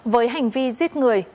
với hành vi giết người